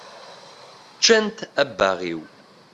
Ččant abbaɣ-iw.